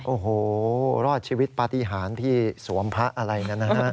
โอ้โหรอดชีวิตปฏิหารที่สวมพระอะไรนะฮะ